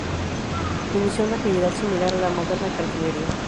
Inició una actividad similar a la moderna cartelería.